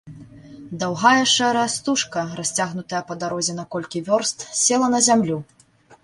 Даўгая шэрая стужка, расцягнутая па дарозе на колькі вёрст, села на зямлю.